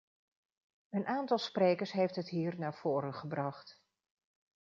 Een aantal sprekers heeft het hier naar voren gebracht.